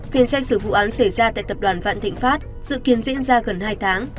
phiên xét xử vụ án xảy ra tại tập đoàn vạn thịnh pháp dự kiến diễn ra gần hai tháng